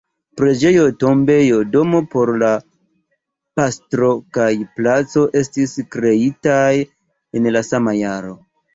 Preĝejo, tombejo, domo por la pastro kaj placo estis kreitaj en la sama jaro.